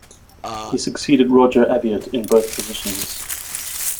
He succeeded Roger Abiut in both positions.